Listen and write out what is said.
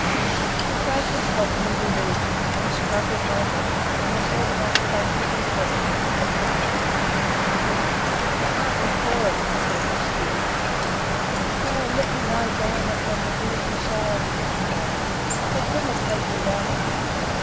The drug had probably relieved him, for he struggled no more, and was led along plaintive and patient, but protesting. His heart recoiled at the thought of the steerage. 'O let me lie down upon the bieldy side,' he cried; 'O dinna take me down!